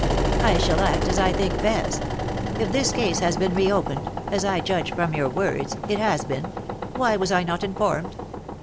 "I shall act as I think best. If this case has been reopened as I judge from your words, it has been why was I not informed?